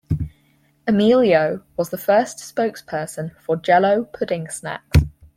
Amelio was the first spokesperson for Jell-O Pudding Snacks.